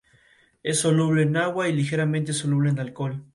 Es soluble en agua y ligeramente soluble en alcohol.